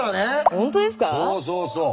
そうそうそう。